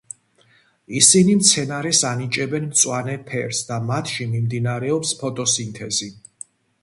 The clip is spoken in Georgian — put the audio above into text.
ისინი მცენარეს ანიჭებენ მწვანე ფერს და მათში მიმდინარეობს ფოტოსინთეზი.